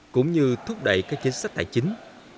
cũng như thúc đẩy các chính sách tài chính